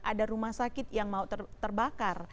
ada rumah sakit yang mau terbakar